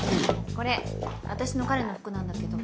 これ私の彼の服なんだけど。